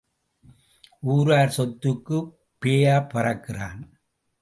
ஊரார் சொத்துக்குப் பேயாய்ப் பறக்கிறான்.